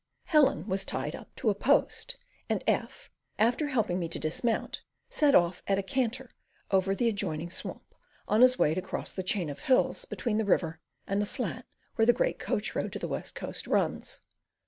Helen was tied up to a post, and F , after helping me to dismount, set off at a canter over the adjoining swamp on his way to cross the chain of hills between the river and the flat where the great coach road to the West Coast runs.